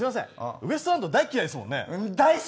ウエストランド大嫌いですもんね。